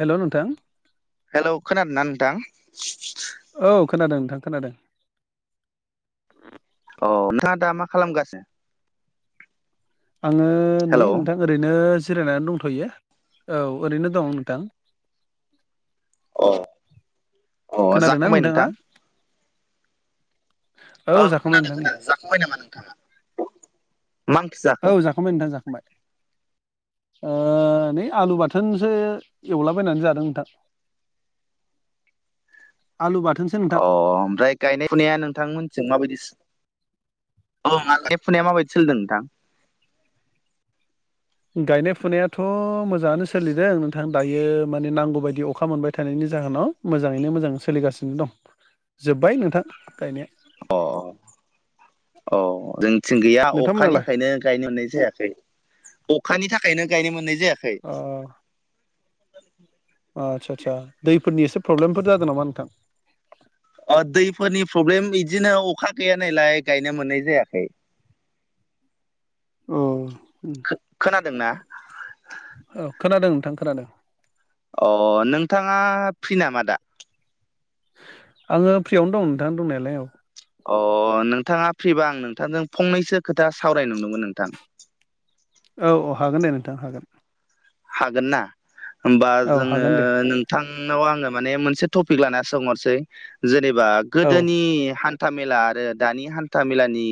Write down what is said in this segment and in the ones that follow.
हेल' नोंथां। हेलौ खोनादों ना नोंथां? औ खोनादों नोंथां खोनादों औ नोंथाङा दा मा खालामगासिनो आङो नै हेलौ नोंथां ओरैनो जिरायनानै दंथ'यो औ ओरैनो दं नोंथां अ-अ खोनादोंना जाखांबाय नोंथाङा नोंथां औ जाखांबाय खोनादों नोंथां नै खोनादों जाखांबाय नामा नोंथाङा मा ओंख्रि औ जाखो जाखांबाय नोंथां जाखांबाय ओ नै आलु बाथोनसो एवलाबायनानै जादों नोंथां [inaudible] आलु बाथोन अ ओमफ्राय गायनाय फुनाया नोंथां मोनथिजों माबायदि औ गायनाय फुनाया माबायदि सोललिदों नोंथां गायनाय फुनायाथ' मोजाङानो सोलिदों नोंथां दायो माने नांगौबायायदि अखा मोनबाय थानायनि जाहोनाव मोजाङैनो मोजां सोलिगासिनो दं जोब्बाय नोंथां गायनाया अ अ जोंथिं गैया अखानि नोंथांमोनालाय थाखायनो गायनो मोननाय जायाखै अखानि थाखायनो गायनो मोननाय जायाखै अ आचचसा आदसा दैफोरनि एसे प्रब्लेमफोर जादों नामा नोंथां अ दैफोरनि प्रब्लेम बिदिनो अखा गैय नालाय गायनो मोननाय जायाखै अ खोनादोंना औ खोनादों नोंथां खोनादों। अ नोंथाङा फ्रि नामा दा आङो फ्रियावनो दं नोंथां दंनायालाय औ अ नोंथाङा फ्रिबा आं नोंथांजों फंनैसो खोथा सावराय नुदोंमोन नोंथां औ औ हागोन दे नोंथां हागोन हागोन ना होमबा औ हागोन दे जोङो नाव आङो माने मोनसे टपिक लाना सोंहरसै जेनेबा औ गोदोनि हान्था मेला आरो दानि हान्था मेलानि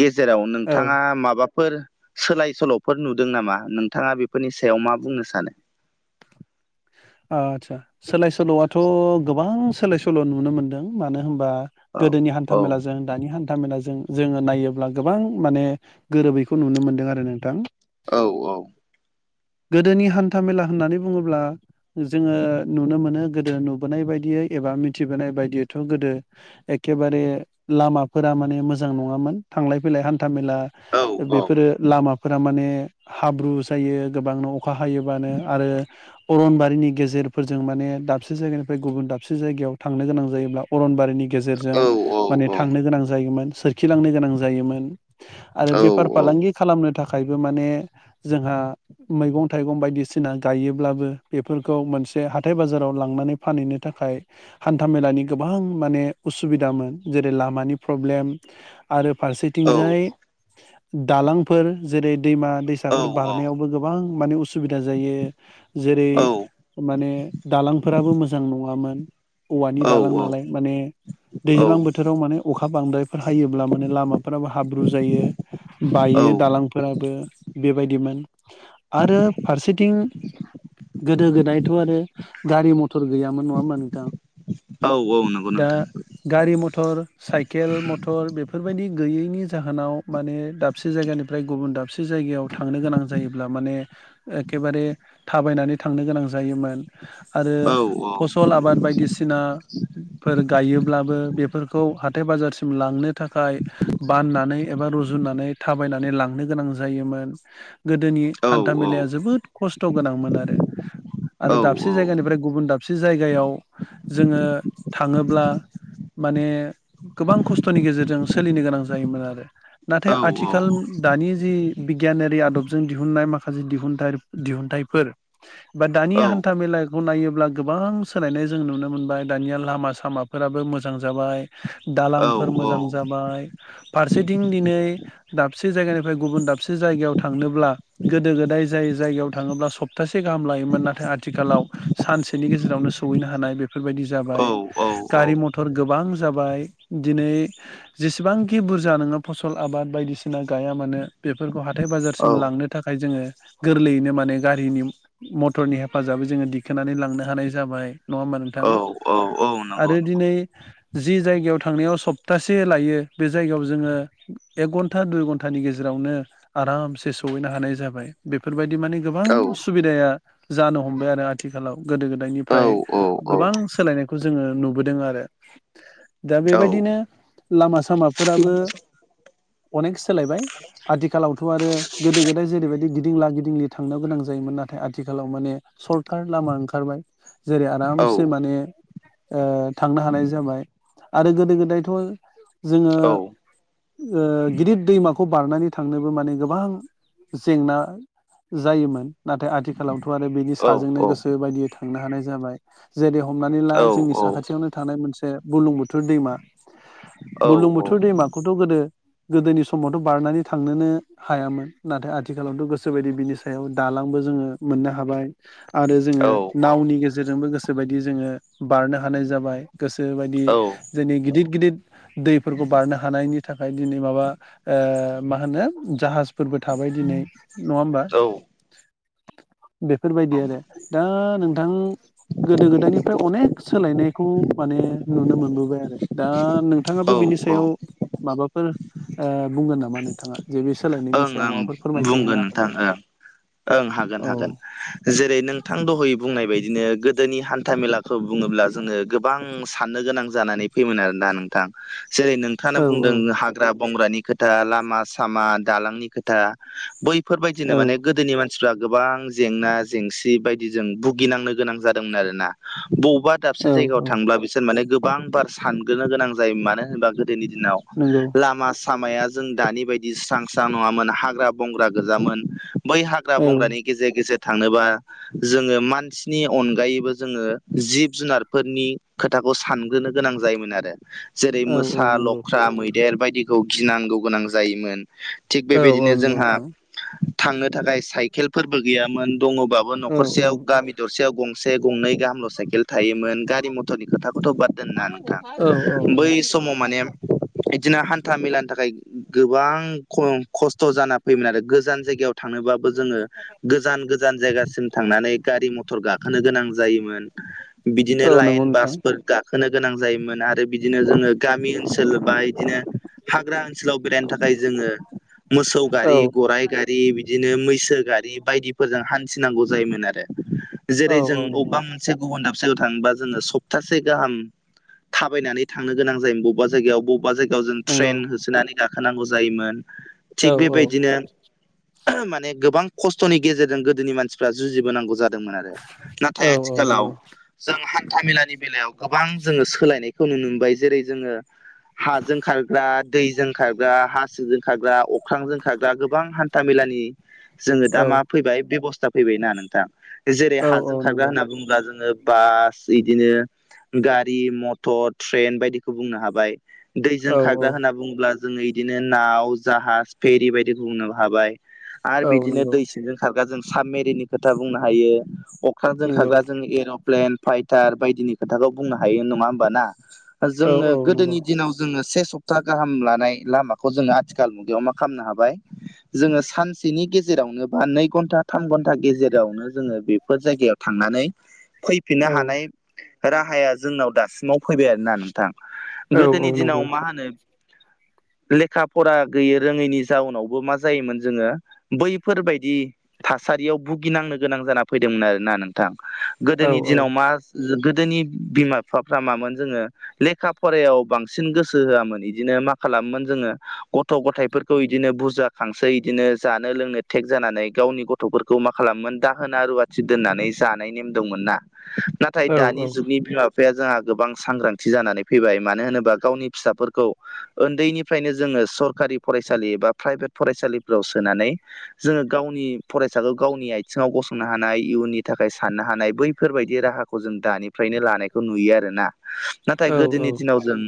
गेजेराव औ नोंथाङा माबाफोर सोलाय सोल'फोर नुदों नामा नोंथाङा बेफोरनि सायाव मा बुंनो सानो आदसा सोलाय सोल'आथ' गोबां सोलाय सोल' नुनो मोनदों मानो होनबा औ गोदोनि औ हान्था मेला ज जों दानि हान्था मेलाजों जोङो नायोब्ला गोबां माने गोरोबैखौ नुनो मोनदों आरो नोंथां औ औ गोदोनि हान्था मेला होननानै बुङोब्ला जोङो नुनो मोनो गोदो नुबोनाय बायदियै एबा मिथिबोनाय बायदियैथ' गोदो एखेबारे लामाफोरा माने मोजां नङामोन थांलाय फैलाय हान्था मेला औ बेफोरो लामा फोर माने हाब्रु जायो गोबांनो अखा हायोबानो आरो अरनबारिनि गेजेरफोरजों माने दाबसे जायगानिफ्राय गुबुन दाबसे जायगायाव थांनो गोनां जायोब्ला अरनबारि नि गेजेरजों औ औ माने थांनो गोनां जायोमोन सोरखिलांनो गोनां जायोमोन आरो औ बेफार फालांगि खालामनो थाखायबो माने जोंहा मैगं थाइगं बायदिसिना गायोब्लाबो बेफोरखौ मोनसे हाथाय बाजाराव लांनानै फानहैनो थाखाय हान्था मेलानि गोबां माने उसुबिदामोन जेरै लामानि प्रब्लेम आरो फारसेथिंजाय दालांफोर जेरै दैमा दैसाफोर औ बारनायाव गोबां माने उसुबिदा जायो जेरै माने दालांफोराबो मोजां नङामोन औवानि औ दालां नालाय माने दैज्लां बोथोराव माने अखा बांद्रायफोर हायोब्ला माने लामाफ्राबो हाब्रु जायो औ बायो दालांफोराबो बेबायदिमोन आरो फारसेथिं गोदो गोदायथ' आरो गारि मथर मटर गैयामोन नङा होमा नोंथां औ नंगौ नोंथां दा गारि मथर साइकेल मटर बेफोरबायदि गैयैनि जाहोनाव माने दाबसे जायगानिफ्राय ओमफ्राय गुबुन दाबसे जायगायाव थांनो गोनां जायोब्ला माने एखेबारे थाबायनानै थांनो गोनां जायोमोन आरो औ ओं फसल आबाद बायदिसिना फोर गायोब्लाबो बेफोरखौ हाथाय बाजारसिम लांनो थाखाय बाननानै एबा रुजुनानै थाबायनानै लांनो गोनां जायोमोन गोदोनि हान्था मेलाया जोबोद खस्थ' गोनांमोन आरो आरो दाबसे जायगानि बेनिफ्राय गुबुन दाबसे जायगायाव जोङो थाङोब्ला माने गोबां खस्थ'नि गेजेरजों सोलिनो गोनां जायोमोन आरो नाथाय आथिखाल दानि जि बिगियानारि आदबजों दिहुननाय माखासे दिहुनथ दिहुनथाइफोर बा दानि हान्था मेला खौ नायोब्ला गोबां सोलायनाय जों नुनो मोनबाय दानिया लामा सामाफोराबो मोजां जाबाय दालांफोर मोजां जाबाय फारसेथिं दिनै दाबसे जायगानिफ्राय गुबुन दाबसे जायगायाव थांनोब्ला गोदो गोदाय जाय जायगायाव थाङोब्ला सब सप्ासे गाहाम लायोमोन नाथाय आथिखालाव सानसेनि गेजेरावनो सौहैनो हानाय बे बेफोरबायदि जाबाय गारि मथर गोबां जाबाय दिनै जेसेबांखि बुरजा नोङो फसल आबाद बायदिसिना गाया मानो। बेफोरखौ हाथाय बाजारसिम लांनो थाखाय जोङो गोरलैयैनो माने गाह गारिनि मथरनि हेफाजाबै जोङो दिखोनानै लांनो हानाय जाबाय नङा होमबा नोंथां? आरो दिनै जि जायगायाव थांनायाव सप्तासे लायो बे जायगायाव जोङो एक घन्टा दुइ घन्टानि गेजेरावनो आरामसे सहैनो हानाय जाबाय बेफोरबायदि माने गोबां सुबिदाया जानो हमबाय आरो आथिखालाव गोदो गोदायनिफ्राय गोबां सोलायनायखौ जोङो नुबोदों आरो दा बेबायदिनो लामा सामाफोराबो अनेक सोलायबाय आथिखालावथ' आरो गोदो गोदाय जेरैबायदि गिदिंला गिदिंलि थांनो गोनां जायो जायोमोन नाथाय आथिखालाव माने सरखार लामा ओंखारबाय जेरै आरामसे माने थांनो हानाय जाबाय आरो गोदो गोदायथ' जोङो गिदिर दैमाखौ बारनानै थांनोबो माने गोबां जेंना जायोमोन नाथाय आथिखालावथ' आरो बिनि साजोंनो ओं गोसो बायदियै थांनो हानाय जाबाय। जेरै हमनानै ला जोंनि साखाथियावनो थानाय मोनसे गुलुं बुथोर दैमा बुलुं बोथुर दैमाखौथ' गोदो गोदोनि समावथ बारनानै थांनोनो हायामोन नाथाय आथिखालावथ गोसोबायदि बिनि सायाव दालां बो जोङो मोननो हाबाय आरो जोङो नावनि गेजेरजोंबो गोसोबायदि जोङो बारनो हानाय जाबाय गोसोबायदि जोंनि गिदिर गिदिर दैफोरखौ बारनो हानायनि थाखाय दिनै माबा मा होनो जाहाजफोरबो थाबाय दिनै नङा होमबा बेफोरबायदि आरो दा नोंथां गोदो गोदायनिफ्राय अनेक सोलायनायखौ माने नुनो मोनबोबाय आरो दा नोंथाङाबो बिनि माबाफोर बुंगोन नामा नोंथाङा जे बे सोलायनायनि ओं सायाव ओं माबाफोर फोरमायथि होनो बुंगोन हागोन नोंथां ना ओं ओं हागोन औ हागोन जेरै नोंथां दहयै बुंनाय बायदिनो गोदोनि हान्था मेलाखौ बुङोब्ला जोङो गोबां साननो गोनां जानानै फैयोमोन आरोना नों जेरै नोंथाङा औ बुंदों औ हाग्रा बंग्रानि खोथा लामा सामा दालांनि खोथा बैफोरबायदिनो औ माने गोदोनि मानसि मानसिफ्रा गोबां जेंना जेंसि बायदिजों भुगिनांनो गोनां जादोंमोन आरोना बबेबा दाबसे औ जायगायाव औ थांब्ला बिसोर माने गोबां बार सानग्रो गोनां जायो मानो होनबा गोदोनि दिनाव नंगौ लामा सामाया जों दानि बायदि स्रां स्रां नङामोन हाग्रा बंग्रा गोजामोन बै हाग्रा औ बंग्रानि गेजेर गेजेर थांनोबा जोङो मानसिनि अनगायैबो जोङो जिब जुनारफोरनि खोथाखौ सानग्रोनो गोनां जायोमोन आरो जेरै औ मोसा औ नंगौ लख्रा मैदेर बायदिखौ गिनांगौ गोनां जायोमोन थिग औ बेबायदिनो नंगौ जोंहा नोंथां थांनो थाखाय साइकेलफोरबो गैयामोन दङबाबो औ नखरसेयाव औ गामि दरसेयाव गंसे गंनै गाहामल साइकेल थायोमोन गारि मथरनि खोथाखौथ बाद दोनना औ नोंथां बै नंगौ समाव माने बिदिनो हान्था मेलानि थाखाय गोबां ख खस्थ खस्थ जाना फैोमोन आरो गोजान जायगायाव थांनोबाबो जोङो गोजान गोजान जायगासिम थांनानै गारि मथर गाखोनो गोनां जायोमोन। बिदिनो औ नंगौ लाइन नोंथां बासफोर गाख होनो गोनां जायोमोन आरो बिदिनो जोङो गामि ओनसोल बा बिबदिनो हाग्रा ओनसोलाव बेरायनो थाखाय जोङो मोसौ औ गारि गराइ गारि बिदिनो मैसो गारि बायदिफोरजों हान थिनांगौ जायोमोन आरो औ जेरै जों औ नंगौ अबेबा मोन से गुबुन दाबसेयाव थांबा जोङो सप्तासे गाहाम थाबायनानै थांनो गोनां जायोम बबेबा जायगायाव बबा अबेबा जायगायाव जों नंगौ ट्रेन होसोनानै गाखोनांगौ जायोमोन थिग औ औ बेबायदिनो माने गोबां खस्थनि गेजेरजों गोदोनि मानसिफ्रा जुजिबोनांगौ जादों मोन आरो नाथाय औ औ आथिखालाव नंगौ जों हान्था मेलानि बेलायाव गोबां जोङो सोलायनायखौ नुनो मोनबाय जेरै जोङो हाजों खारग्रा दैजों खारग्रा हासोजों खाग्रा अख्रांजों खाग्रा गोबां हान्था मेलानि जोङो दा औ मा फैबाय बेबस्था फैबायनाा नोंथां जेरै औ हाजों औ खारग्रा नंगौ होनना बुङोब्ला जोङो बास बिदिनो गारि मटर ट्रेन बायदिखौ बुंनो हाबाय औ दैजों खारगा होनना बुङोब्ला जोङो इदिनो नाव जाहाज फेरि बायदि बुंनो हाबाय आरो औ बिदिनो नंगौ दै जों खारगा जों साबमेरिनि खोथा बुंनो हायो अख्रांजों नंगौ खारगा जों एरप्लेन फाइटार बायदिनि खोथाखौ बुंनो हायो नङा होमब ना औ जोङो औ नंगौ गोदोनि दिनाव जोङो से सप्ता गाहाम लानाय लामाखौ जोङो आथिखाल मुगायाव मा खालामनो हाबाय जोङो सानसेनि गेजेरावनो बा नै घन्टा थाम घन्टा गेजेरावनो जोङो बेफोर जायगायाव थांनानै फैफिननो औ हानाय राहाया जोंनाव दासिमाव फैबाय आरोना नोंथां औ औ गोदोनि नंगौ दिनाव मा नोंथां होनो लेखा फरा गैयै रोङैनि जाउनावबो मा जायोमोन जोङो बैफोरबायदि थासारियाव भुगिनांनो गोनां जाना फैदोंमोन आरोोना नोंथां औ गोदोनि औ दिनाव मा गोदोनि बिमा बिफाफ्रा मामोन जोङो लेखा फरायायाव बांसिन गोसो होआमोन बिदिनो मा खालामोमोन जोङो गथ' गथायाइफोरखौ इदिनो बुरजाखांसै इदिनो जानो लोंनो थटेक जानानै गावनि गथ गथ'फोरखौ मा खालामोन दाहोना रुवाथि दोननानै जानाय नेम दंमोन ना नाथाय औ दानि जुगनि बिाब बिफाया जोंहा गोबां सांग्रांथि जानानै फैबाय मानो होनोबा गावनि फिसाफोरखौ उन्दैनिफ्रायनो जोङो सरखारि फरायसालि एा प्राइभेट फरायसालिफोराव सोनानै जोङो गावनि फरायसाखौ गावनि आथिङाव गसंनो हानाय इयुननि थाखाय साननो हानाय बैफोरबायदि राहा खौ जों दानिफ्रायनो लानायखौ नुयो आर ना नाथाय औ गोदोनि दिनाव जों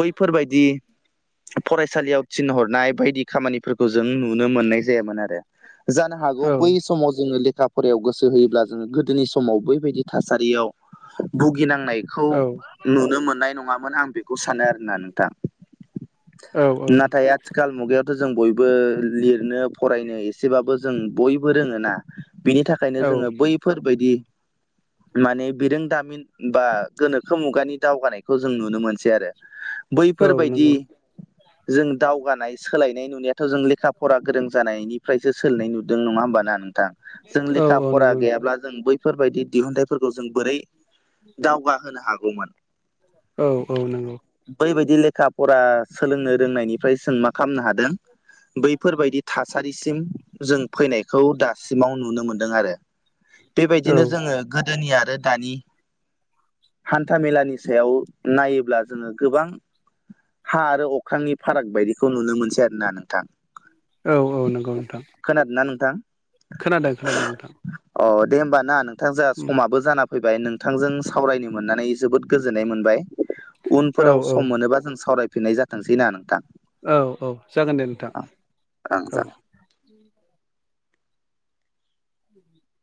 बैफोरबायदि फरायसालियाव थिनहरनाय बायदि खामानिफोरखौ जों नुनो मोननाय जायामोन आरो जानो हागौ बै समाव जोङो लेखा फरायायाव गोसो होयोब्ला जोङो गोदोनि समाव बैबायदि थासारियाव भुगिनांनायखौ नुनो मोननाय नङामोन आं बेखौ सानो आरोना नोंथां औ नाथाय आथिखाल मुगायावथ' जों बयबो लिरनो फरायनो एसेबाबो जों बयबो रोङोना बिनि थाखायनो जोङो बैफोरबायदि माने बिरोंदामिन बा गोनोखो मुगानि दावगानायखौ जों नुनो मोनसै आरो औ बैफोरबायाददि नंगौ जों दावगानाय सोलायनाय नुनायाथ' जों लेखा फरा गोरों जानायनिफ्रायसो सोलायनाय नुदों नङा होमबाना नोंथां जों औ लेखा औ फरा नंगौ नोंथां गैयाब्ला जों बैफोरबायदि दिहुनथाइ फोरखौ जों बोरै दावगाहोनो हागौमोन औ औ नंगौ बैबायदि लेखा फरा सोलोंनो रोंनायनिफ्राय जों मा खालामनो हादों बैफोरबायाददि थासारिसिम जों फैनायखौ दासिमाव नुनो मोनदों आरो औ बेबायदिनो जोङो गोदोनि आरो दानि हान्था मेलानि सायाव नायोब्ला जोङो गोबां हा आरो अख्रांनि फाराग बायदिखौ नुनो मोनसै आरो ना नोंथां औ औ नंगौ नोंथां खोनादोंना नोंथां खोनादों खोनादों नोंथां अ दे होमबा ना नोंथां जहा समाबो जाना फैबाय नोंथांजों सावरायनो मोननानै जोबोद गोजोननाय मोनबाय औ उनफोराव औ सम मोनोबा जों सावरायफिननाय जाथोंसै ना नोंथां औ औ जागोन दे नोंथां ओं जागोन औ [inaudible]